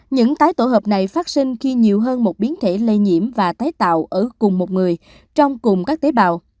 những tái tổ hợp này phát sinh khi nhiều hơn một biến thể lây nhiễm và tái tạo ở cùng một người trong cùng các tế bào